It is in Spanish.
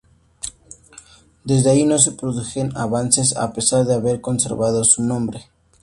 Desde ahí no se produjeron avances, a pesar de haber conservado su nombre.